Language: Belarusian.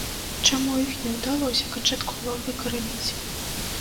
Чаму іх не ўдалося канчаткова выкараніць?